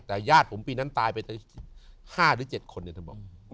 แต่ญาติผมปีนั้นตายไป๕หรือ๗คนเนี่ยเธอบอก